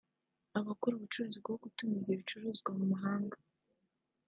Abakora ubucuruzi bwo gutumiza ibicuruzwa mu mahanga